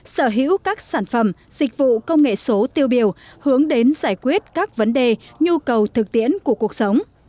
sở hữu các sản phẩm dịch vụ công nghệ số tiêu biểu hướng đến giải quyết các vấn đề nhu cầu thực tiễn của cuộc sống